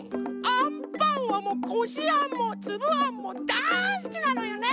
アンパンはもうこしあんもつぶあんもだいすきなのよね！